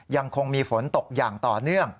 ยังคงมีฝนตกอย่างต่อเนื่อง